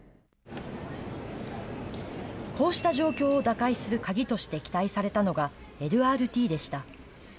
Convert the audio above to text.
こうした状況を打開する鍵として期待されたのがＬＲＴでした。